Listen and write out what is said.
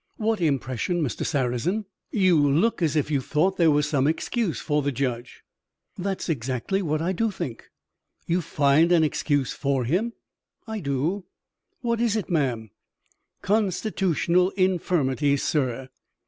"What impression, Mr. Sarrazin?" "You look as if you thought there was some excuse for the judge." "That's exactly what I do think." "You find an excuse for him?" "I do." "What is it, ma'am?" "Constitutional infirmity, sir."